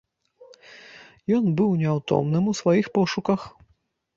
Ён быў няўтомным у сваіх пошуках.